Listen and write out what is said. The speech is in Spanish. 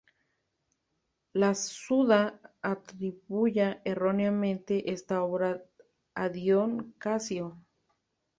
La Suda atribuya erróneamente esta obra a Dión Casio.